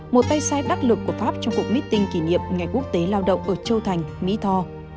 một tay sai đắc lực của pháp trong cuộc meeting kỷ niệm ngày quốc tế lao động ở châu thành mỹ tho